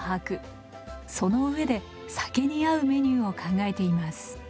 そのうえで酒に合うメニューを考えています。